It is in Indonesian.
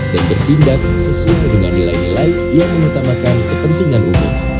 dan bertindak sesungguhnya dengan nilai nilai yang menutamakan kepentingan umum